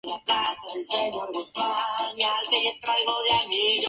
La ceremonia, presentada por Jack Black, incluyó diez presentaciones de videojuegos.